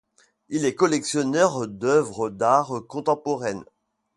Il est collectionneur d'œuvres d'art contemporaines.